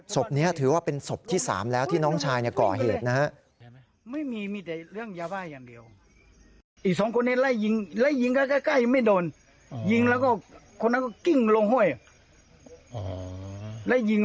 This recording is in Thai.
ศพนี้ถือว่าเป็นศพที่๓แล้วที่น้องชายก่อเหตุนะฮะ